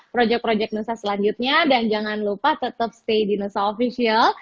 proyek proyek nusa selanjutnya dan jangan lupa tetap stay di nusa official